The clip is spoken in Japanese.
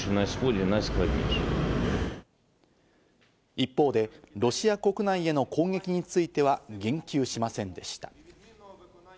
一方でロシア国内への攻撃については、言及しませんでした。